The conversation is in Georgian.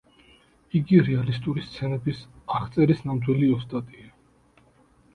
იგი რეალისტური სცენების აღწერის ნამდვილი ოსტატია.